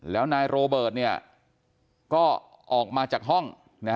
แล้วนายโรเบิร์ตก็ออกมาจากห้อง